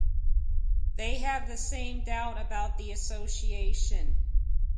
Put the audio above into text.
They have the same doubt about the association.